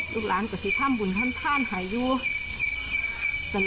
ลูกหลานขอคำม้าด้วยอยากอ่ายเพิ่มใหม่